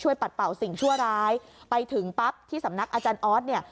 ปัดเป่าสิ่งชั่วร้ายไปถึงปั๊บที่สำนักอาจารย์ออสเนี่ย